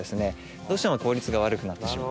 どうしても効率が悪くなってしまう。